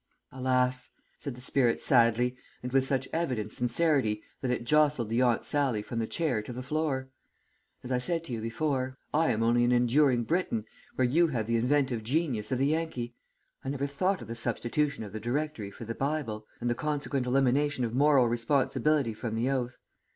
"Alas!" said the spirit sadly, and with such evident sincerity that it jostled the Aunt Sallie from the chair to the floor. "As I said to you before, I am only an enduring Briton where you have the inventive genius of the Yankee. I never thought of the substitution of the directory for the bible, and the consequent elimination of moral responsibility from the oath.